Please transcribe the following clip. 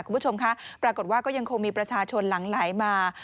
คุณผู้ชมคะปรากฏว่าก็ยังคงมีประชาชนหลังไหลมา